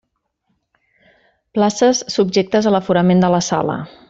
Places: subjectes a l'aforament de la sala.